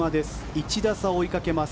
１打差を追いかけます。